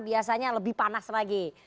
biasanya lebih panas lagi